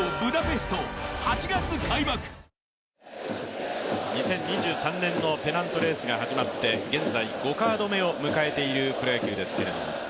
三井不動産２０２３年のペナントレースが始まって現在、５カード目を迎えているプロ野球ですけれども。